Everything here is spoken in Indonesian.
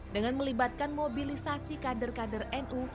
dengan melibatkan mobilisasi kader kader nu